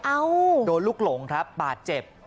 อ้าวโดนลูกหลงครับปากเจ็บ